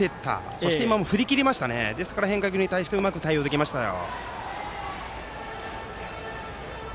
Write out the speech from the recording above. そして今も振り切りましたから変化球にうまく対応できましたよ。